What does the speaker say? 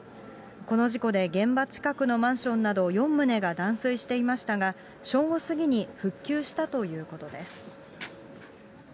この事故で現場近くのマンションなど４棟が断水していましたが、正午過ぎに復旧したということです。